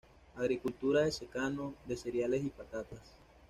Agricultura de secano de cereales y patatas.